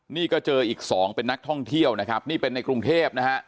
นี่ก็เจออีกสองเป็นนักท่องเที่ยวนะครับนี่เป็นในกรุงเทพนะฮะ